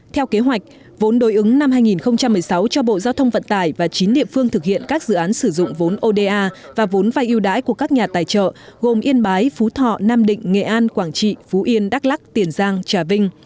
theo kế hoạch vốn đối ứng năm hai nghìn một mươi sáu cho bộ giao thông vận tải và chín địa phương thực hiện các dự án sử dụng vốn oda và vốn vai yêu đãi của các nhà tài trợ gồm yên bái phú thọ nam định nghệ an quảng trị phú yên đắk lắc tiền giang trà vinh